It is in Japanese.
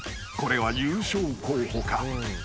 ［これは優勝候補か］